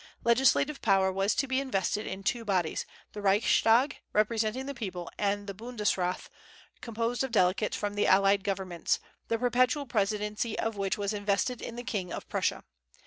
Legislative power was to be invested in two bodies, the Reichstag, representing the people; and the Bundesrath, composed of delegates from the allied governments, the perpetual presidency of which was invested in the king of Prussia.